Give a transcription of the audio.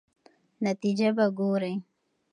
نتیجه به ګورئ.